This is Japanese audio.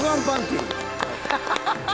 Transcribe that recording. ハハハハ！